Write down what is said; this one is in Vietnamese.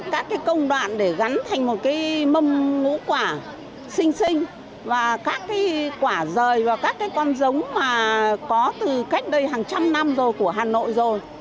các cái công đoạn để gắn thành một cái mâm ngũ quả sinh sinh và các cái quả rời và các cái con giống mà có từ cách đây hàng trăm năm rồi của hà nội rồi